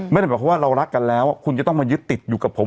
ไม่ได้หมายความว่าเรารักกันแล้วคุณจะต้องมายึดติดอยู่กับผม